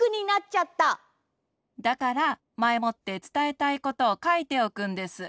だからまえもってつたえたいことをかいておくんです。